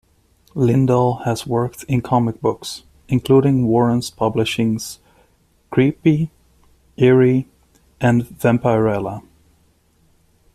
Lindall has worked in comic books, including Warren Publishing's "Creepy", "Eerie" and "Vampirella".